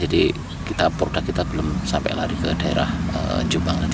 jadi produk kita belum sampai lari ke daerah jombang